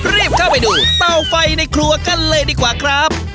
รีบเข้าไปดูเตาไฟในครัวกันเลยดีกว่าครับ